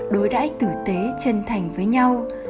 đối đải tử tế chân thành với nhau